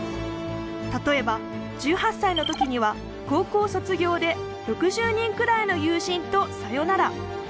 例えば１８歳の時には高校卒業で６０人くらいの友人とさよなら。